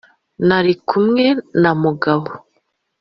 nari kumwe na mugabo.